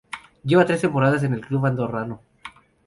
Lleva tres temporadas en el club andorrano.